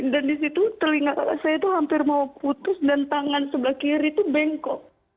dan di situ telinga kakak saya itu hampir mau putus dan tangan sebelah kiri itu bengkok